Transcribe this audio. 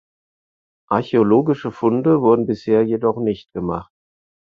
Archäologische Funde wurde bisher jedoch nicht gemacht.